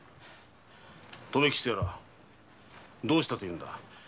留吉とやらどうしたというんだ？